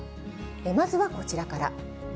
まずはこちらから。